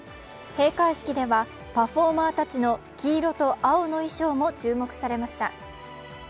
閉会式ではパフォーマーたちの黄色と青の衣装も注目されました。